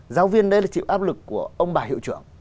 giáo viên đấy là chịu áp lực của ông bà hiệu trưởng